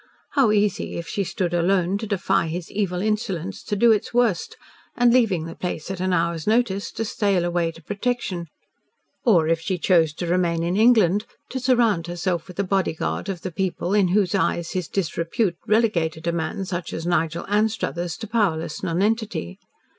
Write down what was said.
How easy, if she stood alone, to defy his evil insolence to do its worst, and leaving the place at an hour's notice, to sail away to protection, or, if she chose to remain in England, to surround herself with a bodyguard of the people in whose eyes his disrepute relegated a man such as Nigel Anstruthers to powerless nonentity.